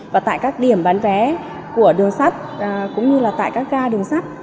và tại các điểm bán vé của đường sắt cũng như là tại các ga đường sắt